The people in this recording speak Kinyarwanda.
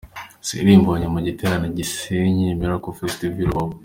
Israel Mbonyi mu giterane Gisenyi Miracle Festival i Rubavu.